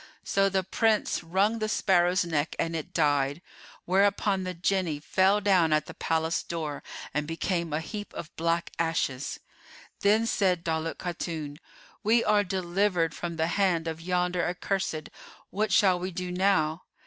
So the Prince wrung the sparrow's neck and it died, whereupon the Jinni fell down at the palace door and became a heap of black ashes. Then said Daulat Khatun, "We are delivered from the hand of yonder accursed; what shall we do now?"